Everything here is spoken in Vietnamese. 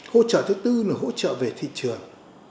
hỗ trợ thứ tư là hỗ trợ về thị trường